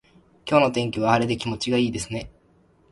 今日の天気は晴れで気持ちがいいですね。